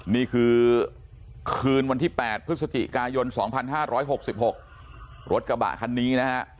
นี่คือคืนวันที่๘พฤศจิกายน๒๕๖๖รถกระบะคันนี้นะฮะ